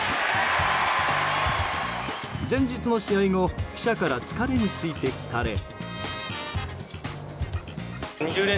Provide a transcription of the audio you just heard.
前日の試合後記者から疲れについて聞かれ。